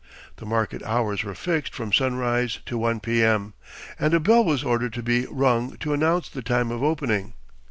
The market hours were fixed from sunrise to 1 P. M., and a bell was ordered to be rung to announce the time of opening.